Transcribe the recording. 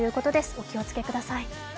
お気をつけください。